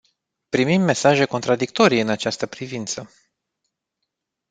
Primim mesaje contradictorii în această privință.